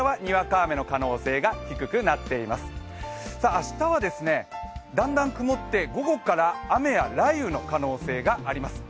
明日はだんだん曇って午後から雷雨の可能性があります。